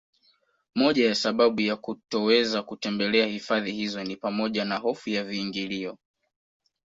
Moja ya sababu ya kutoweza kutembelea hifadhi hizo ni pamoja na hofu ya viingilio